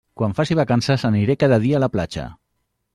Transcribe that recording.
Quan faci vacances aniré cada dia a la platja.